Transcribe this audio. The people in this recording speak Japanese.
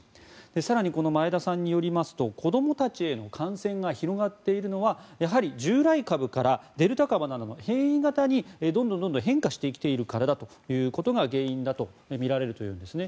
更に、この前田さんによりますと子どもたちへの感染が広がっているのはやはり従来株からデルタ株などの変異型にどんどん変化してきているからということが原因だとみられるというんですね。